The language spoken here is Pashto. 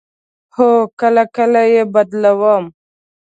هو، کله کله یی بدلوم